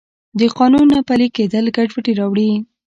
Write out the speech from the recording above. د قانون نه پلی کیدل ګډوډي راوړي.